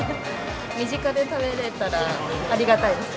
身近で食べれたら、ありがたいです。